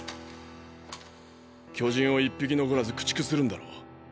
巨人を一匹残らず駆逐するんだろ？